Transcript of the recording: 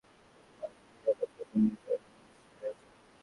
শুধু তোমার নিরাপত্তার জন্য এটা হোম স্ক্রিনে রাখো।